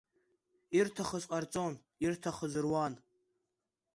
Ирҭахыз ҟарҵон, ирҭахыз руан.